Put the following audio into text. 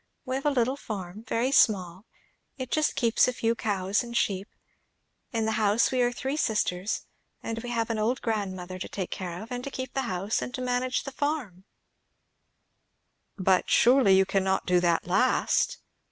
We have a little farm, very small; it just keeps a few cows and sheep. In the house we are three sisters; and we have an old grandmother to take care of, and to keep the house, and manage the farm." "But surely you cannot do that last?"